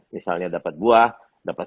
misalnya dapat buah dapat